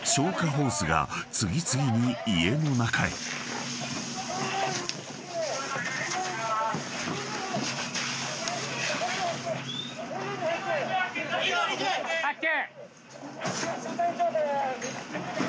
ホースが次々に家の中へ］発見！